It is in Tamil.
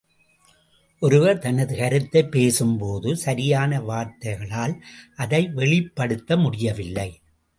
ஒருவர் தனது கருத்தைப் பேசும்போது சரியான வார்த்தைகளால் அதை வெளிப்படுத்த முடியவில்லை.